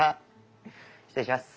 失礼します。